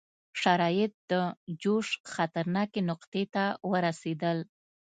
شرایط د جوش خطرناکې نقطې ته ورسېدل.